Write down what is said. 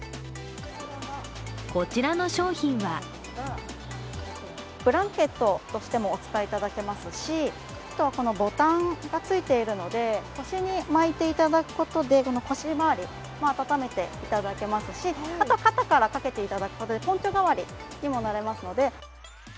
こちらの商品はブランケットとしてもお使いいただけますし、あとはボタンがついているので、腰に巻いていただくことで腰回りを暖めていた田けますし肩からかけていただくことでポンチョ代わりにもなりますので。